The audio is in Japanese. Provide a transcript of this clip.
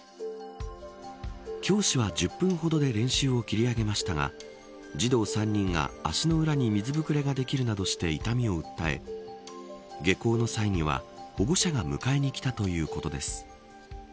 教師は１０分ほどで練習を切り上げましたが児童３人が、足の裏に水ぶくれができるなどして痛みを訴え下校の際には保護者が迎えに来たということです。